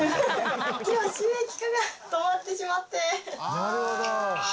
なるほど。